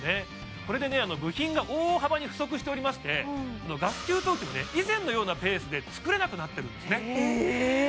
これで部品が大幅に不足しておりましてガス給湯器も以前のようなペースで作れなくなっているんですねえーっ？